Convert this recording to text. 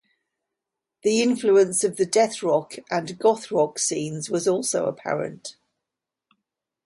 The influence of the deathrock and goth rock scenes was also apparent.